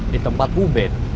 di tempat ubed